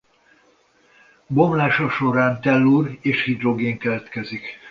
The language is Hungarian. Bomlása során tellúr és hidrogén keletkezik.